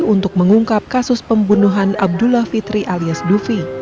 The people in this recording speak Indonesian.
untuk mengungkap kasus pembunuhan abdullah fitri alias dufi